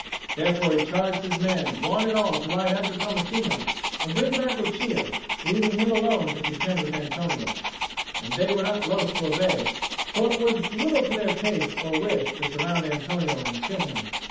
Therefore he charged his men one and all to ride after Tommasino and bring back Lucia, leaving him alone to contend with Antonio; and they were not loth to obey, for it was little to their taste or wish to surround Antonio and kill him.